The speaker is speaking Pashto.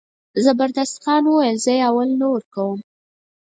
زبردست خان وویل زه یې اول نه ورکوم.